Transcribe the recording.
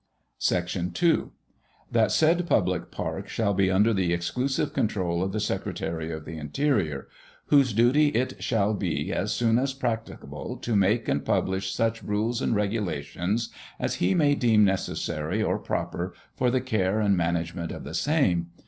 Sec. 2 That said public park shall be under the exclusive control of the Secretary of the Interior, whose duty it shall be as soon as practicable to make and publish such rules and regulations as he may deem necessary or proper for the care and management of the same.